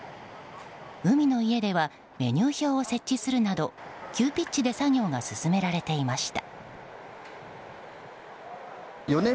海の家ではメニュー表を設置するなど急ピッチで作業が進められていました。